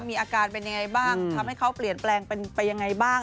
มีอาการเป็นยังไงบ้างทำให้เขาเปลี่ยนแปลงเป็นไปยังไงบ้าง